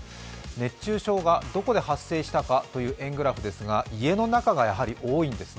熱中症がどこで発生したかという円グラフですが家の中がやはり多いんです。